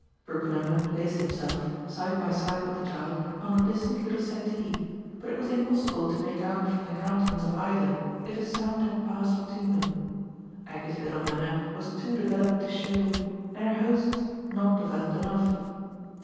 Brookenham had placed himself, side by side with the child, on a distant little settee, but it was impossible to make out from the countenance of either if a sound had passed between them. Aggie's little manner was too developed to show, and her host's not developed enough.